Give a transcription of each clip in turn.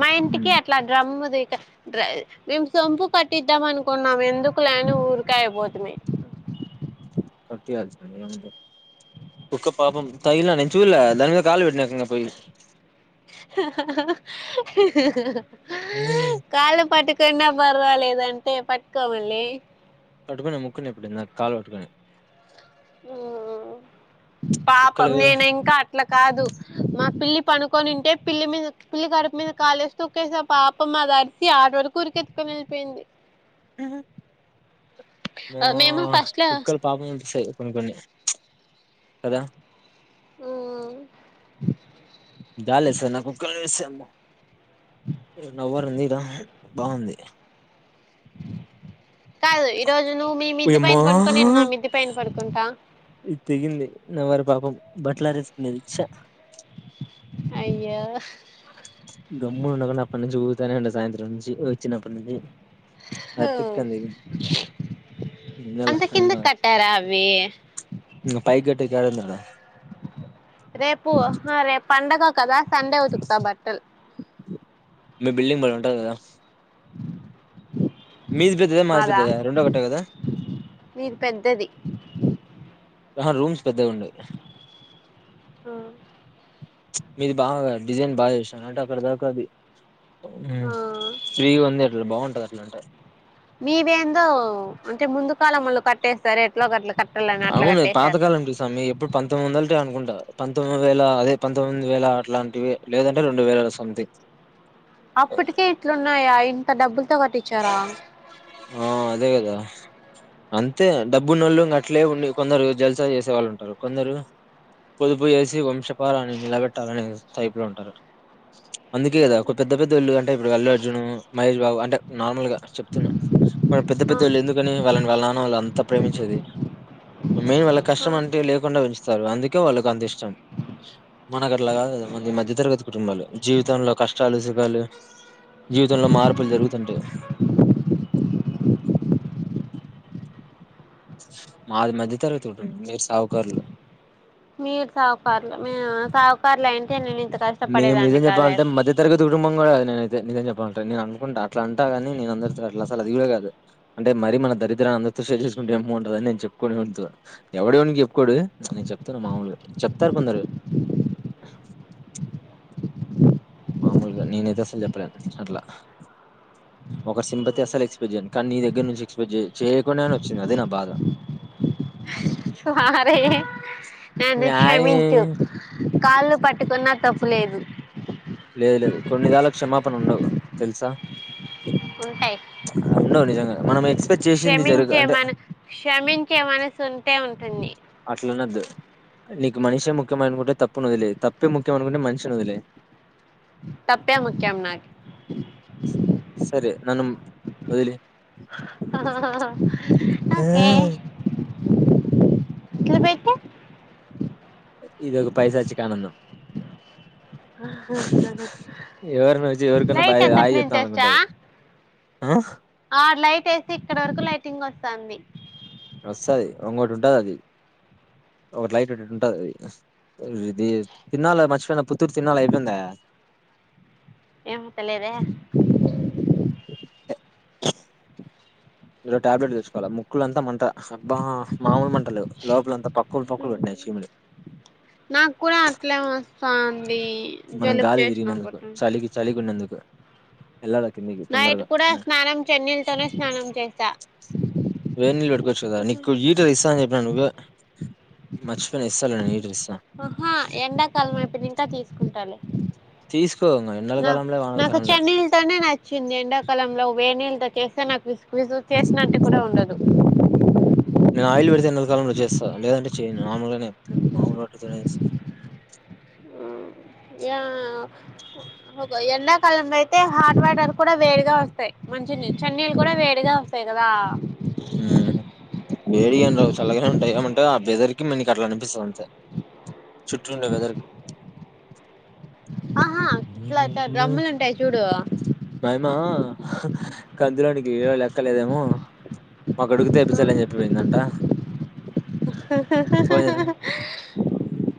మా ఉమ్ ఇంటికి అట్లా డ్రమ్ము ది ఇక డ్రై మేము సొంపు కట్టిద్దాం అనుకున్నాం ఎందుకు లేని ఊరికే అయిపోతిమి కట్టేయాల్సింది ఏముంది కుక్క పాపం తగిలినా నేను చూల్యా దాని మీద కాలు పెట్టిన ఇంగ పొయ్ [unintelligible] ఏ కొన్నా బర్వాలేదంటే పట్టుకో మళ్ళీ పట్టుకున్న ముక్కుని ఎప్పుడన్న నా కాలు పట్టుకుని ఊమ్ పాపం కుక్కలు నేను ఇంకా అట్ల కాదు మా పిల్లి పనుకొనింటే పిల్లి మీద పిల్లి కడుపు మీద కాలేసి తొక్కేశా పాపం అ ది అరిసి ఆటు వరకు ఉరికెత్తుకొని వెళ్ళిపోయింది ఆహ మా మేము ఫస్ట్ లో కుక్కలు పాపం అనిస్తాయి కొన్ని కొన్ని ఆ జాలేస్తాది నాకు కుక్కలను చూస్తే నవ్వరుంది ఈడ బాంది కాదు ఈరోజు నువ్వు మీ మిద్ది ఓయమ్మా పైన పనుకో నేను మా మిద్ది పైన పడుకుంటా ఇది తెగింది నా వల్ల పాపం బట్లారేసుకునేది చ్చా అయ్యో గమ్మనుండకుండా అప్పన్నుంచి ఊగుతనే ఉన్నా సాయంత్రం నుంచి చిన్నప్పనుంచి అది టిక్కని తెగింది ఇంగ అంత లావైనా కిందకి కట్టారా అవి ఇంగ పై గెట్టేకి యాడుందడ రేపు ఆ రేపండగ కదా సండే ఉతుకుతా బట్టల్ దడ మీది పెద్దదా మాది మాదా పెద్దదా రెండూ ఒకటే కదా మీది పెద్దది ఆహ రూమ్స్ పెద్దగున్నాయ్ మీది బాగ డిజైన్ బాగా జేసినారు అంటే అక్కడ దాక అది మంచి మ్ ఆ ఫ్రీగుంది అట్లా బాం పది అట్లుంటే మీవేందో అంటే ముందు కాలమొళ్ళు కట్టేస్తరే ఎట్లో ఒక అట్లా కట్ అవును ఇదో పాతకాలం పీస్ అమ్మి ఎప్పుడు పంతొమ్మిది వందలిది అనుకుంటా పంతొమ్మిది వేల అదే పంతొమ్మిది వేల అట్లాంటివి లేదంటే రెండు వేల సంథింగ్ అప్పటికే ఇట్లున్నాయా ఇంత డబ్బుల్ తో కట్టిచ్చార ఆ అదే కదా అంతే డబ్బు నోళ్లు ఇంగ అట్లే ఉండి కొందరు జల్సా చేసే వాళ్ళు ఉంటారు కొందరు పొదుపు జేసి వంశపారాన్ని నిలబెట్టాలనేసి సప్ లో ఉంటారు అందుకే కదా ఒక పెద్ద పెద్ద ఇల్లు అంటే ఇప్పుడు అల్లు అర్జున్ మహేష్ బాబు అంటే నార్మల్ గా చెప్తున్నా మళ్ళి పెద్ద ఆ పెద్దొళ్ళు ఎందుకని వాళ్ళని వాళ్ళ నాన్న వాళ్ళు అంతా ప్రేమించేది మెయిన్ వాళ్ళ ఆ కష్టం అంటే లేకుండా పెంచుతారు అందుకే వాళ్ళకు అంత ఇష్టం మనకు అట్లాగాదు గదా మంది మధ్య తరగతి కుటుంబాలు జీవితంలో కష్టాలు సుఖాలు జీవితంలో మార్పులు జరుగుతుంటాయ్ మాది మధ్య తరగతి కుటంబం మీరు సావుకర్లు మీరు సావుకార్లు మేమన్న సావుకార్లు అయింటే నెను మేము నిజం చెప్పాలంటే మధ్య తరగతి కుటుంబం గూడా గాదు నేనైతే నిజం జె బగుంటది నేను అనుకుంట అట్లా అంట గానీ నేను అందరితో అట్లా అసలు అది గూడా గాదు అంటే మరి మన దరిద్రాన్ని అందరితో షేర్ జేస్ సుకుంటే ఏమ్ బాంటదని నేను చెప్పుకోను ఎవనితో ఉనికి చెప్పుకోడు నే చెప్తున్నా మాములు చెప్తారు కొందరు మామొల్గ ల నేనైతే అస్సలు చెప్పలేను అట్లా ఒకరి సింపతి అస్సలు ఎక్స్పెక్ట్ జేయను కానీ నీ దగ్గర నుంచి ఎక్స్పెక్ట్ చే చేయకున్నా గాని వచ్చింది అదే నా బాధ స్వారీ నన్న న్యాయ్ క్షమించు కాళ్ళు పట్టుకున్నా తప్పు లేదు లేదు లేదు కొన్ని దాళ్ళకు క్షమాపణ ఉండవు తెలుసా చ్ ఉంటాయి ఆ ఉండవ్ నిజంగా మనం ఎక్స్ పేస్ చేశింది జరుగ అంటే యే మనసుంటే ఉంటుంది అట్లనొద్దు నీకు మనిషే ముఖ్యమయి అన్ కుంటే తప్పు ను వదిలయి తప్పే ముఖ్యమ్ అనుకుంటే మన్ ష్ ను వదిలయి తప్పే ముఖ్యం నాక్ ఓదిలే ఆహ అహ ఆహ్ ఓకే ఇట్లు బెటు ఇదొ ఓ పైసాచ్చికా ఆనందామ్ ఆహ్ ఆహా ఎవరిని వచ్చి ఎవరికన్నా బా లైట్ హాయ్ యేసర్ మెంచ్ చెప్తాం ఆ చెంచ్ ఆ అనుకుంటారు ఆ లైట్ ఎసి ఇక్కడ్ వరకు లైటింగ్ వస్తంది వస్తది ఒంగోట్ ఉంటదది ఒక్ లైట్ టు టు టు ఉంటఅది రీది తిన్నాల మచ్ పేన పోతుర్ తిన్నాల అయిపెందా ఏం తేలేదే అ ఇ రో ట్యాబ్ లెట్ తెచ్ కోల ముక్కులంతా మంట హ్ అబ్బా మామూలు మంటల్ లెవ్ లోపల అంతా పక్ ల్ పక్ ల్ బెట్ నయి చిమిడి నాక్ కుర అట్లే ఓ సాన్ మనం గాలి దిరిగినందుకు చలికి చలిగున్నందుకు ఎళ్ళల కిందికి నైట్ తొందరగా కూడా స్నానం చెన్నీళ్ళతోనే స్నానం చేసా వేనీల్ బెట్టుకోవచ్చు కదా నీక్కు ఈటర్ ఇస్తాన్ జెప్ నా మచ్ పేయిన ఇసలే ఈట్ ఇస్ ఆహా ఎండాకాలం అయిపెన్ ఇంక తీస్ కుంటాలే తీసుకో ఇంగ ఎండల నా కాలంలే వానల నాకు కాలంలే చన్ నీల్ తోనే నచ్చింది ఎండాకాలంలో వేనీల్ ఇట చేస్తే నాక్ విజ్ విజ్ త్ విసుగు విసుగు చేస్ నట్ కుడ ఉండదు నేను ఆయిల్ పెడితే ఎండాకాలంలో చేస్తా లేదంటే చేయను మామూలుగానే ఎప్పుడు మామూలు వాటితోనే య ఒక ఎండాకాలంలో లయితే హాట్ వాటర్ కూడా వేడిగా వస్తయి మంచిన్ నిన్ చన్ నీల్ కుడ వేడిగా వస్తయి గదా హ్మ్ వేడిగేమ్ లెవ్ చల్లగానే ఉంటాయి ముంటయ్ ఆ పేజర్ కి మన్ నిక్ అట్లా అన్ పిస్ అం చ చుటుండ్ వెదర్ ఆహా ట్లా ట డ్రామ్ములుంటాయి చూడు మాయ్ మా ఆ హ్ కందులోనికి ఇవ లెక్కలేదేమో మాక్ అడుగుతె ఏపిస్తలే అన్ జేప్పిపెందంట పోయే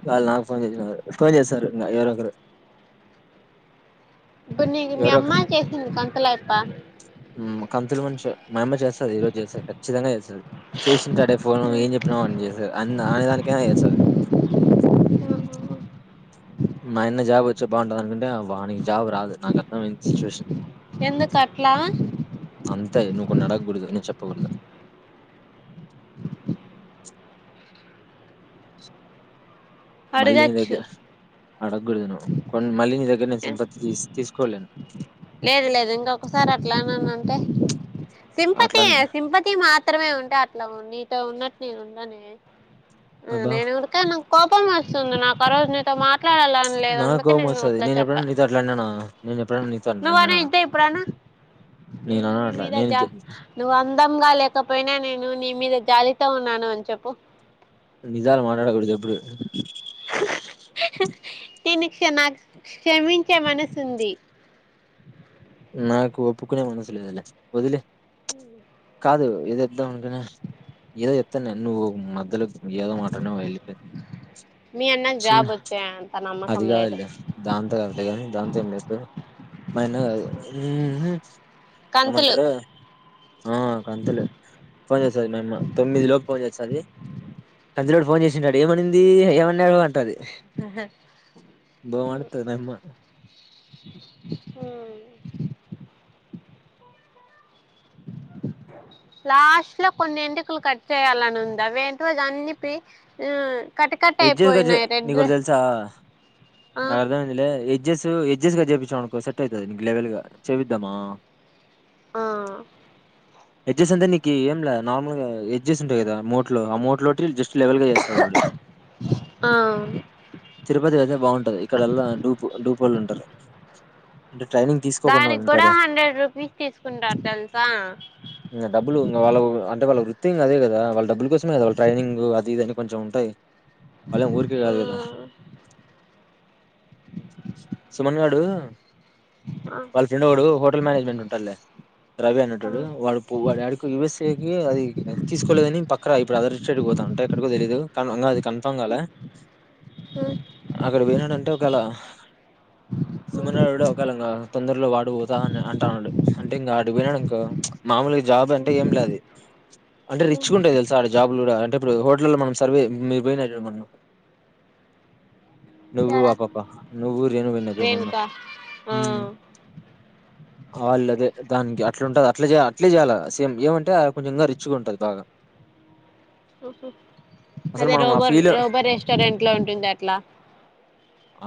గాల్ నాబ్ పోన్ జెషినార్ పోన్ జేసారు ఇంగ సార్ ఎవరో ఒకరు ఇప్ డ్ నీకి మీ ఎవరో అమ్మ ఒకరు చేసింద్ కంతలోక్ ప్ప దువన్ ష మయమ్మ చేస్తది ఈ రోజు చేస్తది ఖచ్చితంగా చేస్తది చేసిన్ టాడే ఫోన్ ఏం జేప్ నవో అన్ జేసా అన్ అనేదానికి ఏ ఏ స్వారీ మాయన్న జాబ్ ఓచ్ బాఉంటదనుకుంటే వానికి జాబ్ రాదు నాకు అర్థం సిచ్చు వెషన్ ఎందుకు అట్లా అంతే నువ్ కొన్ అడకుడదు నేన్ చెప్ పొగడ్ దా మల్లి దగ్గ అడగచ్చు అడగోద్ నువ్ కొన్ మళ్ళీ నీదగ్ ఏ లేదు లేదు లేదు ఇంకొకసారి అట్లా అననంటే అట్లా సింపతి అన్- సింపతి మాత్రమే ఉంటే అట్లా ఉ నీతో ఉన్నట్ నే ఉండనే ఉమ్ అబ్బా! నేను ఉరుకే అనం కోపం వస్తుంది నాకు ఆ రోజు నీతో మాట్లాడాలని లేదు నాకు అందుకే నేను కోపమొస్తది. ఇట్ల చెప్ప నేనెప్పుడైనా నీతో అట్లా అన్నానా? నేనెప్పుడైనా నీతో అట్లా నువ్ అన్నానా? అనయితే ఇపుడు అను నేను నేననను నీ అట్లా. మీద నేను జా జ నువ్వు అందమ్ గా లేకపోయినా నే నువ్ నీ మీద జాలితో ఉన్నాను అన్ చెప్పు నిజాల్ మాట్లాడకూడదు ఎప్పుడు దీనిక్ క్షమాగ్ షమించే మనసుంది నాకు ఒప్పుకునే మనసలేదలే వదిలే ఉ కాదు ఇదిద్దామనుకున్నా ఏదో చెప్తన్న నేను నువ్వు మధ్యలో ఏదో మాట అన్నావు ఎల్లిపా మీ అన్నకు చిన్న జాబ్ వచ్చే అంత అది నమ్మకం లేదు కాదులే దాంతో కాదులే కానీ దాంతో ఏం లే ఇప్పుడు మాయన్న కాదు ఉహు కంతులు ఏమంటరు ఆ కంతేలే ఫోన్ చేస్తది మేము తొమ్మిది లోపు ఫోన్ చేస్తది కందులోడు ఫోన్ చేసింటాడు ఏమనింది ఏమన్నాడు టది బా మాటాడుతది అయమ్మ లాస్ట్ లో కొన్ని ఎంటికలు కట్ చేయాలని ఉంది అదేంటో అన్ని పి ఉ ఎడ్జే కజ్ నీకు ఒకటి తెలుసా ఆ నాకు అర్థమయ్యిందిలే ఎడ్జెస్ ఎజెస్ కట్ చేపించామనుకో సెట్ అయితది కు లెవెల్ గా చేపిద్దామా ఆ ఎడ్జెస్ అంటే నీకీ ఏం లే నార్మల్ గా ఎడ్జస్ ఉంటయి గదా మోట్ లో ఆ మోట్ లో ట్రీ జస్ లెవెల్ గ చేస్తాడు వాడు ఆ తిరుపతి అయితే బాగుం ఇక్కడల్ల డూపు డూపోళ్ళు ఉంటరు అంటే ట్రైనింగ్ తీసుకోకుండ దానికి కూడా ఉంటది హండ్రెడ్ రూపీస్ తీసుకుంటారు తెలుసా ఇగ డబ్బులు ఇంగ వాళ్ళగు అంటే వాళ్ళ వృత్తి అదే గద వాళ్ళ డబ్బుల కోసమే కద వాళ ట్రైనింగ్ అది ఇది అని కొంచం ఉంటాయి వాల్లెం ఊరుకె కాదు గదా సుమన్ గాడు ఆ వాళ్ళ ఫ్రెండ్ ఒగడు హోటల్ మేనేజ్మెంట్ ఉంటడులే రవి అనేటోడు ఆ వాడు పువ యుఎస్ఏ కి అది తీసుకోలేదని పక్క ఇప్పుడు అదర్ స్టేట్కి పోత అంటే ఎక్కడికో తెలీదు కన్ ఇంగా అది కన్ఫర్మ్ ఉ కాలే ఉ అక్కడ పోయినాడంటే ఒకేలా సుమనగాడు ఒకేళ నా ఆ తొందరల్లో వాడు ఓతా అని అంటాండు అంటే ఇంగా ఆడు వినడు ఇంకా మాములుగా జాబ్ అంటే ఏంలే అది అంటే రిచ్చుగుంటయి తెలుసా అడ జాబ్ లు కూడా అంటే ఇప్పుడు హోటల్లో మనం సర్వే మీరు పెయినరూ జూడు మొన్న నువ్వు యాడ ఆ పాప నువ్వు రేణు పోయినవు జుడు మొన్న రేణుక ఆ ఊ వాళ్ళు అదే దానికి అట్ల ఉంటది అట్లే జేయ అట్లే జెయాల సేమ్ ఏమంటే కొంచెంగా రిచ్ గా ఉంటది బాగా ఉ హు అసలు అదే మనం రోబో రోబో రెస్టారెంట్ లో ఉంటుంది అట్లా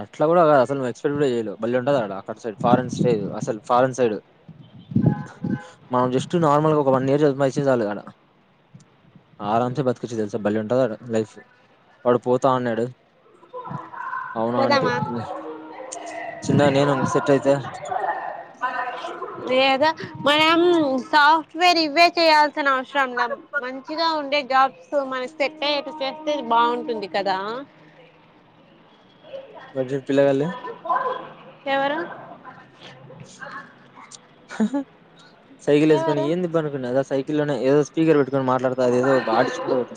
అట్ అట్లా గూడ గాదు అసలు ఎక్స్పెక్ట్కూడా చేయలేవు బల్లె ఉంటది ఆడ అటు సైడ్ ఫారెన్ స్టేజు అసలు ఫారన్ సైడ్ మనం జస్ట్ నార్మల్గా ఒక వన్ ఇయర్ మసి జాలు ఆడ ఆడ ఉంటే బతకచ్చు తెలుసా బల్లె ఉంటది లైఫ్ వాడు పోతా అన్నడు అవునా అంటి పోదామా చిన్న నేను సెట్ అయితే లేద మనం సాఫ్ట్వేర్ ఇవ్వే చేయాల్ కని అవసరంలా మంచిగా ఉండే జాబ్స్ సో మైండ్ సెట్ అయ్యాక చేస్తే బావుంటుంది కదా వాడు జూడు పిల్లగాళ్ళు ఎవరు అ అహా సైకిల్ ఏసుకొని ఎవరు ఏంది బనుకున్న దా సైకిల్ లో ఏదో స్పీకర్ పెట్ మాట్లాడుతా అదేదో బాటిచుకుంట పోతా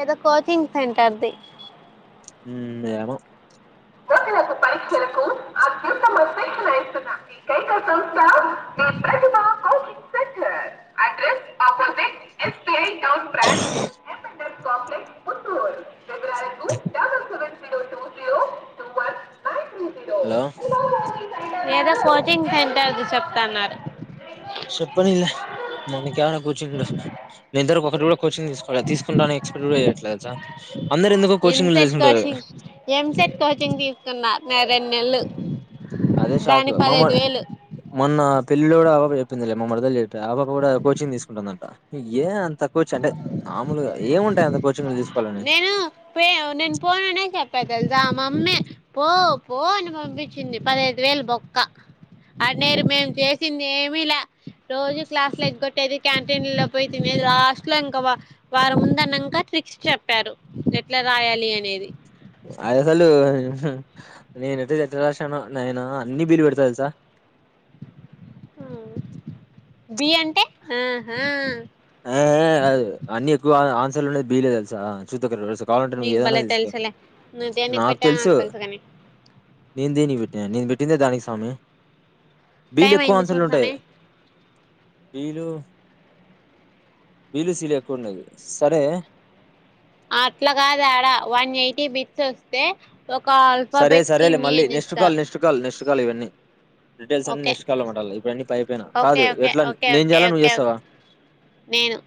ఏద కోచింగ్ సెంటర్ ది ఊ ఏమో గ నాకు పరీక్షనలకుకు ఆ్యంత మ [unintelligible] స్పషల ఇస్తున్నాం మీకైక సంస్థ మీ ప్రతిభ coaching centre [unintelligible] address opposite SBI chocolate కుత్తరు ఇగ [unintelligible] two one nine three zero hello ఏదో కోచింగ్ సెంటర్ ది చెప్తన్నారు సెప్పనీలె మనికి యాడ కోచింగ్ ఇద్దరకు ఒకటి కూడా కోచింగ్ తీసుకోలే, తీసుకుంటా అని ఎక్స్పెక్డ్ ఏయట్లే ఎల్సా. ఎంసెట్ కోచింగ్ ఎంసెట్ కోచింగ్ తీసుకున్న న రెనెళ్ళు అదే షాక్ మమ మొన్న పెళ్లిల్లో గూడా [unintelligible] చెప్పిందిలే మా మరదల్ చెప్పా అవకు కూడా కోచింగ్ తీసుకుంటుందంట యే అంత కోచ. అంటే మామూలుగ ఏముంటాయి అంత కోచింగ్ల్ తీసు నేనూ పే యవ్ నేను పోననే చె పెద్దల్ జా మమ్మే పో పో అని పంపించింది పదహైదు వేలు బొక్క అనేరు మేము చేసింది ఏమిలా రోజూ క్లాస్లు ఎగ్గొట్టేది, క్యాంటీన్ లో పోయి తినేది, లాస్ట్ లో ఇంకా వ వారం ఉందన్నంక. సిక్స్ చెప్పారు ఎట్లా రాయాలి అనేది అయ్ అసలు హు నేనైతే చెట్ట రాష్ననో, నేనూ అన్ని బీ లు వెడతా ఎలుసా. ఊ బి అంటే అహా ఆ ఆ గాదు అన్నీ ఎక్కువ ఆన్సలుండేద్ బీ లే ఎలుసా చూద్ద కర [unintelligible] కావాలంటే నువ్వు నీకు ఏదైనా భలే తీసుకో తెలుసులే నువ్వు దేనికి నాక్ పెట్టావో తెలుసు నాకు కాని నేన్ దేని పెట్నా నేను బెట్టిందే దానికి సామి బీ లు టైం ఎక్కువ అయింది ఆన్సర్లు చూడు ఉంటాయి. సామి బీ లు బీ లు సీ లు ఎక్కువండేది సరే అట్ల గాద్ ఆడా వన్ ఎయిటీ బిట్స్ ఒస్తే సరే సరేలే మళ్ళి next call, next call, next call ఇవన్నీ. డీటెయిల్స్ అన్ని ఓకే నెష్ట్ కాల్ లో మాటలి ఇపుడన్నీ పైపైనా, ఓకే కాదు ఓకే ఎట్లా ఓకే నేను ఓకే జేయాలా నువ్వు ఓకే ఓకే చేస్సవా. నేను